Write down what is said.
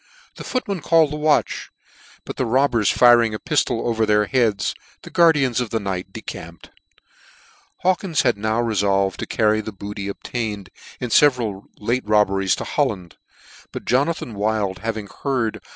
The footmen called the watch ; but 286 NEW NEWGATE CALENDAR. but the robbers firing a piflol over their heads, the guardians of the night decamped, Hawkins had now refolved to carry the booty obtained in feveral late robberies to Holland ; but Jonathan Wild having heard.